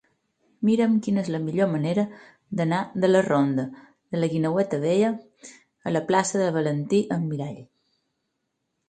Mira'm quina és la millor manera d'anar de la ronda de la Guineueta Vella a la plaça de Valentí Almirall.